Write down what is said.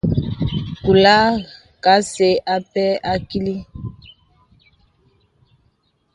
Kùlə̀ asə̄ akɛ̂ apɛ akìlì.